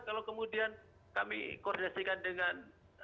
kalau kemudian kami koordinasikan dengan